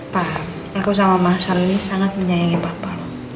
pak aku sama mas al ini sangat menyayangi papa